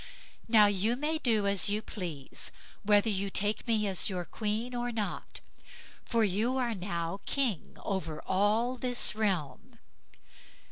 Now you may do as you please, whether you take me as your queen or not, for you are now king over all this realm."